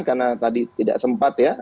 karena tadi tidak sempat ya